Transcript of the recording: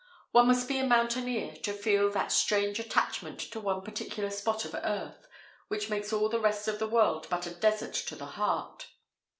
One must be a mountaineer to feel that strange attachment to one particular spot of earth which makes all the rest of the world but a desert to the heart.